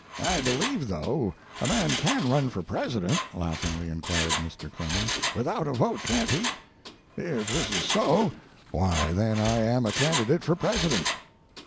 I believe, though, a man can run for President," laughingly inquired Mr. Clemens, "without a vote, can't he? If this is so, why, then I am a candidate for President."